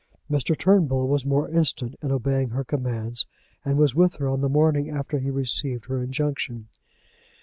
Mr. Turnbull was more instant in obeying her commands, and was with her on the morning after he received her injunction.